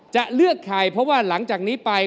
จะเลือกใครเพราะว่าหลังจากนี้ไป